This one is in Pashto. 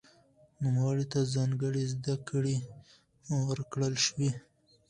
نوموړي ته ځانګړې زده کړې ورکړل شوې.